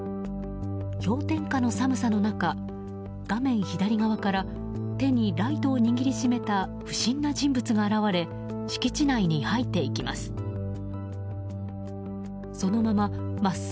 氷点下の寒さの中、画面左側から手にライトを握りしめた不審な人物が現れ敷地内に入っていきます。